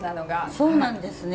そうなんですね。